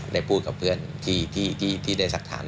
ได้พูดกับเพื่อนที่ได้สักถาม